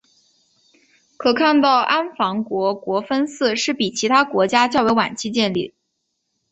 可看到安房国国分寺是比其他国家较为晚期建立。